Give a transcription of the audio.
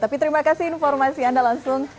tapi terima kasih informasi anda langsung